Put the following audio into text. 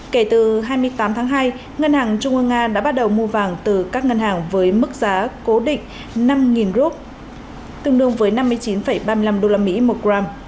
kể từ hai mươi tám tháng hai ngân hàng trung ương nga đã bắt đầu mua vàng từ các ngân hàng với mức giá cố định năm rup tương đương với năm mươi chín ba mươi năm usd một gram